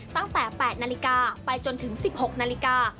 ตั้งแต่๘นาฬิกาไปจนถึง๑๖นาฬิกา